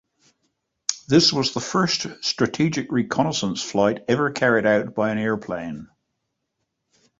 This was the first strategic reconnaissance flight ever carried out by an airplane.